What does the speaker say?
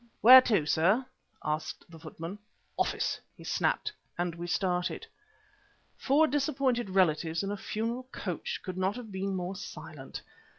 "Where to, sir?" asked the footman. "Office," he snapped, and we started. Four disappointed relatives in a funeral coach could not have been more silent.